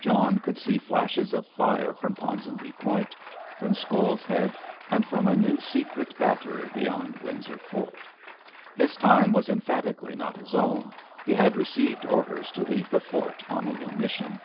John could see flashes of fire from Ponsonby Point, from Scoles Head, and from a new secret battery beyond Windsor Fort. His time was emphatically not his own, he had received orders to leave the fort on a new mission.